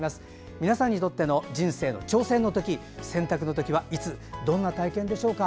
皆さんにとって人生の挑戦の時、選択の時はいつどんな体験でしょうか。